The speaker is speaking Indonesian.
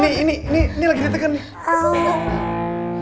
ini ini ini ini lagi diteken nih